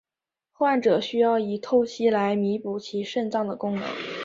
患者需要以透析来弥补其肾脏的功能。